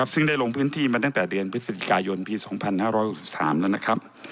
ซึ่งได้ลงพื้นที่มาตั้งแต่เดือนพฤศจิกายนปี๒๕๖๓แล้วนะครับ